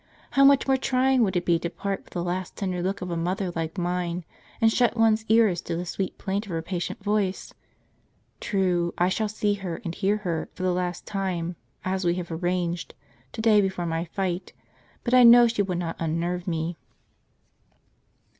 How much more trying would it be to part with the last tender look of a mother like mine, and shut one's ears to the sweet plaint of her patient voice ! True, I shall see her and hear her, for the last time, as we have arranged, to day before my fight : but I know she will not unnerve me."